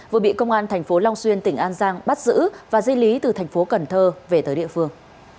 vừa bị công an tp long xuyên tỉnh an giang bắt giữ và di lý từ tp cần thơ về tới địa phương